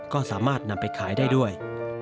ก็สามารถนำไปขายได้ด้วย